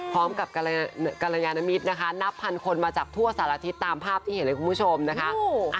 พร้อมกับกรยานมิตรนะคะนับพันคนมาจากทั่วสารทิศตามภาพที่เห็นเลยคุณผู้ชมนะคะ